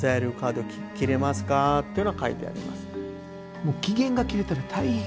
もう期限が切れたら大変よ。